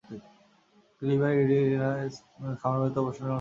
তিনি লিরিয়ার এস্পিনার খামারবাড়িতে অবসর নেবার কথা ঠিক করেন।